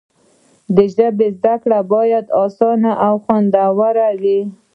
د ژبې زده کړه باید اسانه او خوندوره وي.